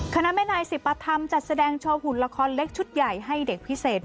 คณะแม่นายสิบประธรรมจัดแสดงโชว์หุ่นละครเล็กชุดใหญ่ให้เด็กพิเศษ